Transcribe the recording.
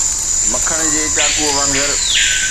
مکڻ جي چاقو وانگر.